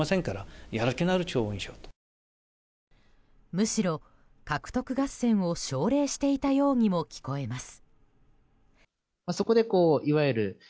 むしろ、獲得合戦を奨励していたようにも聞こえます。